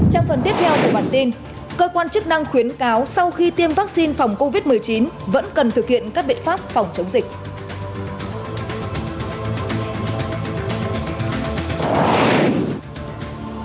trong phần tiếp theo của bản tin cơ quan chức năng khuyến cáo sau khi tiêm vaccine phòng covid một mươi chín vẫn cần thực hiện các biện pháp phòng chống dịch